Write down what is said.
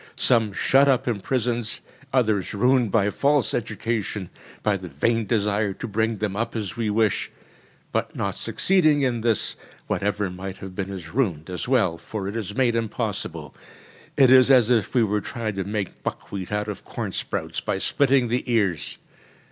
Some shut up in prisons, others ruined by false education, by the vain desire to bring them up as we wish. But not succeeding in this, whatever might have been is ruined as well, for it is made impossible. It is as if we were trying to make buckwheat out of corn sprouts by splitting the ears.